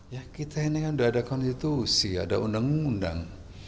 ya kita ini kan udah ada konstitusi ada undang undang